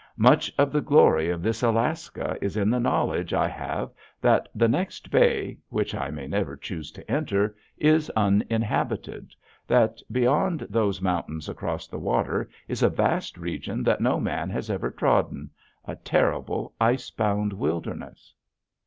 Much of the glory of this Alaska is in the knowledge I have that the next bay which I may never choose to enter is uninhabited, that beyond those mountains across the water is a vast region that no man has ever trodden, a terrible ice bound wilderness.